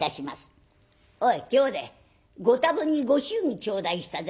おい兄弟ご多分にご祝儀頂戴したぜ。